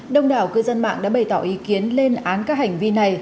đông đảo cư dân mạng đã bày tỏ ý kiến lên án các hành vi này